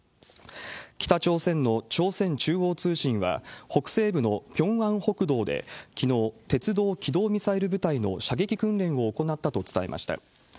北朝鮮の朝鮮中央通信は、北西部のピョンアン北道できのう、鉄道軌道ミサイル部隊の射撃訓練を行ったと伝えました。